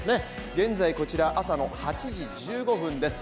現在こちら朝の８時１５分です。